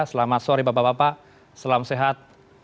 selamat sore bapak bapak selamat sehat